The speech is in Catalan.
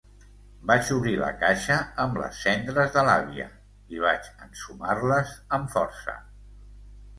Vaig obrir la caixa amb les cendres de l'àvia i vaig ensumar-les amb força.